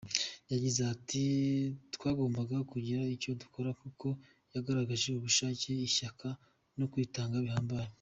Yagize ati “Twagombaga kugira icyo dukora kuko yagaragaje ubushake, ishyaka no kwitanga bihambaye.